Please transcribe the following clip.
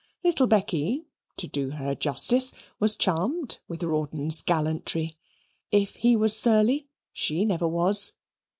Little Becky, to do her justice, was charmed with Rawdon's gallantry. If he was surly, she never was.